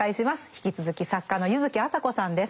引き続き作家の柚木麻子さんです。